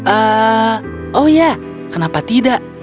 eh oh ya kenapa tidak